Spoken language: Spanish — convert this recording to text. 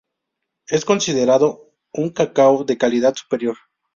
Es considerado un cacao de calidad superior.